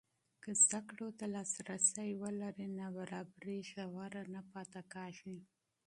که علم لاسرسی ولري، نابرابري ژوره نه پاتې کېږي.